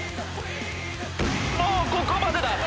もうここまでだ！